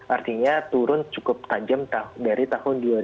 artinya turun cukup tajam dari tahun dua ribu dua